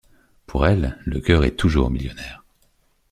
Pour elles, le cœur est toujours millionnaire!